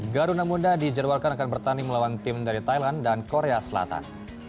garuda muda dijadwalkan akan bertanding melawan tim dari thailand dan korea selatan